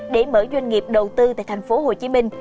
để mở doanh nghiệp đầu tư tại thành phố hồ chí minh